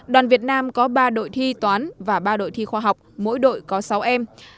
đoàn việt nam có ba đội thi toán và ba đội thi khoa học mỗi đội có sáu em